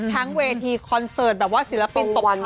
ทั้งเวทีคอนเสิร์ตแบบว่าศิลปินตกเท้ากัน